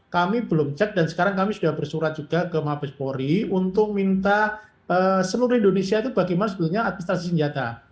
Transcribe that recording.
kami belum cek dan sekarang kami sudah bersurat juga ke mabespori untuk minta seluruh indonesia itu bagaimana sebetulnya administrasi senjata